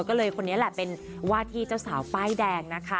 ก็เลยคนนี้แหละเป็นว่าที่เจ้าสาวป้ายแดงนะคะ